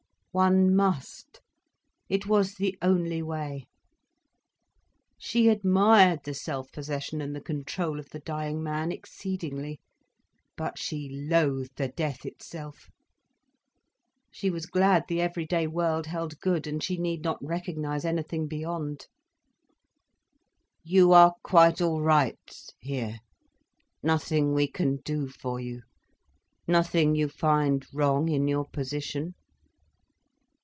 One must, it was the only way. She admired the self possession and the control of the dying man exceedingly. But she loathed the death itself. She was glad the everyday world held good, and she need not recognise anything beyond. "You are quite all right here?—nothing we can do for you?—nothing you find wrong in your position?"